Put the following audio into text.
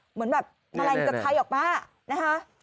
เหมือนแบบแมลงจะไทยออกมานะคะ